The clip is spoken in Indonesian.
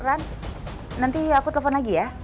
nanti aku telepon lagi ya